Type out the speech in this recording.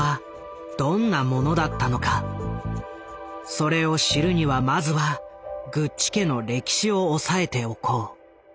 それを知るにはまずはグッチ家の歴史を押さえておこう。